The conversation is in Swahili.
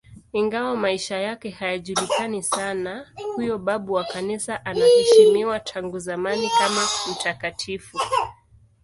Ingawa maisha yake hayajulikani sana, huyo babu wa Kanisa anaheshimiwa tangu zamani kama mtakatifu.